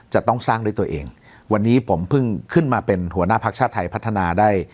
จะต้องสร้างด้วยตัวเองวันนี้ผมเพิ่งขึ้นมาเป็นหัวหน้าพักชาติไทยพัฒนาได้